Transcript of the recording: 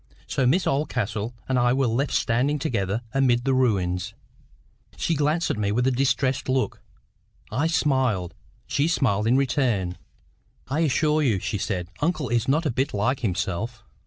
So Miss Oldcastle and I were left standing together amid the ruins. She glanced at me with a distressed look. I smiled. She smiled in return. "I assure you," she said, "uncle is not a bit like himself."